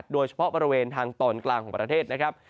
โดยเฉพาะบริเวณทางตอนกลางของประเทศนะครับ